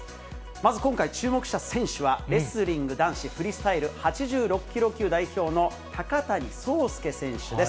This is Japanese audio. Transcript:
まず今回、注目した選手は、レスリング男子フリースタイル８６キロ級代表の高谷惣亮選手です。